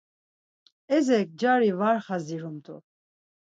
Ezek cari var xazirumtu.